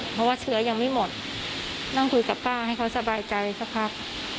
เพราะว่าเชื้อยังไม่หมดนั่งคุยกับป้าให้เขาสบายใจสักพัก